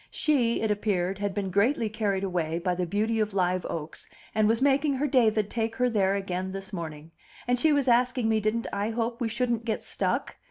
She, it appeared, had been greatly carried away by the beauty of Live Oaks, and was making her David take her there again this morning; and she was asking me didn't I hope we shouldn't get stuck?